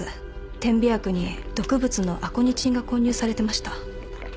点鼻薬に毒物のアコニチンが混入されてました。